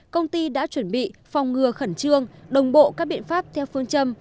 chuẩn bị phòng ngừa khẩn trương đồng bộ các biện pháp theo phương châm